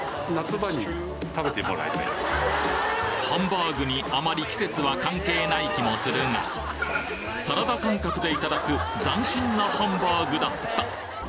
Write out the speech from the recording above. ハンバーグにあまり季節は関係ない気もするがサラダ感覚でいただく斬新なハンバーグだった